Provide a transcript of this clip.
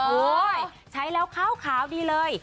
โอ้ยใช้แล้วขาวดีเลย